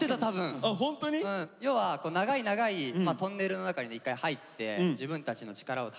要は長い長いトンネルの中に一回入って自分たちの力を試す。